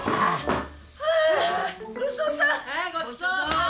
ふぅごちそうさん。